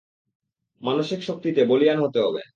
মানসিক শক্তিতে বলীয়ান হতে হবে!